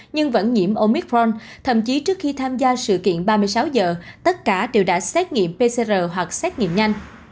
nhưng vẫn nhiễm omitforn thậm chí trước khi tham gia sự kiện ba mươi sáu giờ tất cả đều đã xét nghiệm pcr hoặc xét nghiệm nhanh